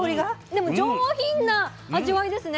でも上品な味わいですね。